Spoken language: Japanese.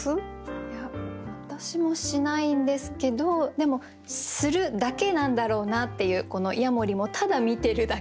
いや私もしないんですけどでもするだけなんだろうなっていうこのヤモリもただ見てるだけっていう。